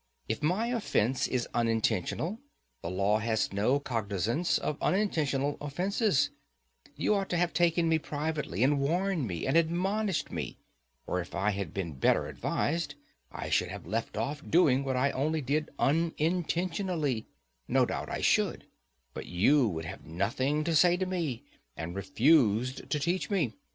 If my offence is unintentional, the law has no cognizance of unintentional offences: you ought to have taken me privately, and warned and admonished me; for if I had been better advised, I should have left off doing what I only did unintentionally—no doubt I should; but you would have nothing to say to me and refused to teach me.